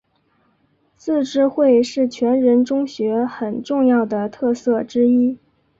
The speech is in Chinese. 自治会是全人中学很重要的特色之一。